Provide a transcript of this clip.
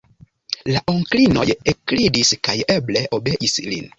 La onklinoj ekridis kaj eble obeis lin.